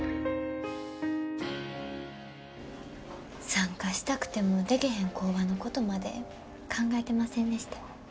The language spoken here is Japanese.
参加したくてもでけへん工場のことまで考えてませんでした。